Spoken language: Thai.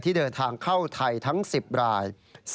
เดินทางเข้าไทยทั้ง๑๐ราย